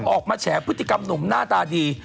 แฉพฤติกรรมหนุ่มหน้าตาดี